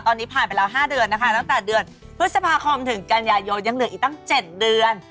ตอนนี้ผ่านไปแล้ว๕เดือนนะคะตั้งแต่เดือนพฤษภาคมถึงกันยายนยังเหลืออีกตั้ง๗เดือน